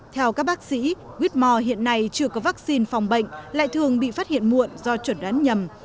theo các bác sĩ whmore hiện nay chưa có vaccine phòng bệnh lại thường bị phát hiện muộn do chuẩn đoán nhầm